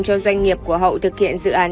cho doanh nghiệp của hậu thực hiện dự án